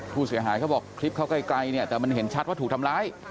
เขาบอกคลิปเขาไกลเนี่ยแต่มันเห็นชัดว่าถูกทำร้าย